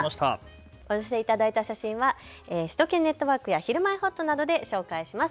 お寄せいただいた写真は首都圏ネットワークやひるまえほっとなどで紹介します。